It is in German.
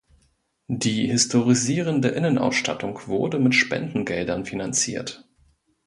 Die historisierende Innenausstattung wurde mit Spendengeldern finanziert.